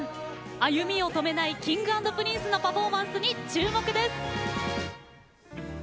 歩みを止めないＫｉｎｇ＆Ｐｒｉｎｃｅのパフォーマンスに注目です。